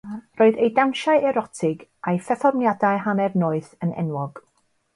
Roedd ei dawnsiau erotig a'i pherfformiadau hanner-noeth yn enwog.